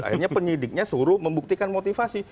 akhirnya penyidiknya suruh membuktikan motivasi